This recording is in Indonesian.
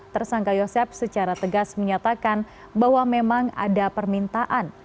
tersangka yosep secara tegas menyatakan bahwa memang ada permintaan